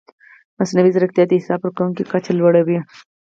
مصنوعي ځیرکتیا د حساب ورکونې کچه لوړوي.